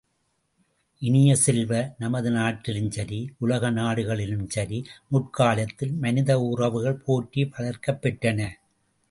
இனிய செல்வ, நமது நாட்டிலும் சரி, உலக நாடுகளிலும் சரி முற்காலத்தில் மனித உறவுகள் போற்றி வளர்க்கப்பெற்றன.